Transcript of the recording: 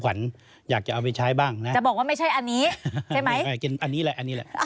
อันนี้แหละอันนี้แหละ